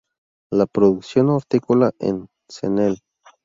La producción hortícola en Cnel.